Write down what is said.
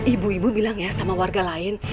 ibu ibu bilang ya sama warga lain